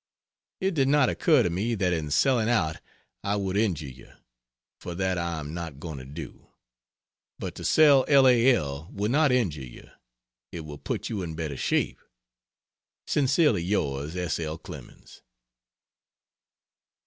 It did not occur to me that in selling out I would injure you for that I am not going to do. But to sell L. A. L. will not injure you it will put you in better shape. Sincerely Yours S. L. CLEMENS.